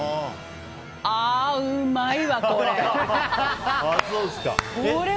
あ、うまいわ、これ！